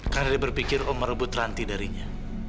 karena dia berpikir om merebut ranti darinya